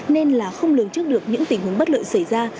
nên là không lường trước được những tình huống bất lợi xảy ra